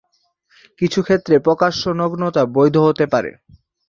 কিছু ক্ষেত্রে প্রকাশ্য নগ্নতা বৈধ হতে পারে।